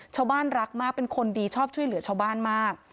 ชาวบ้านรักมากเป็นคนดีชอบช่วยเหลือชาวบ้านมาก